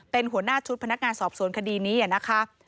เป็นหัวหน้าชุดพนักงานสอบสวนคดีนี้นะคะ